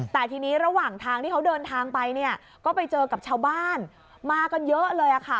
แต่ทีนี้ระหว่างทางที่เขาเดินทางไปเนี่ยก็ไปเจอกับชาวบ้านมากันเยอะเลยค่ะ